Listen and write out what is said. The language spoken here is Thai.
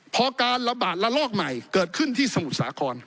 พอการระบาดระลอกใหม่เกิดขึ้นที่สมุทรสาคร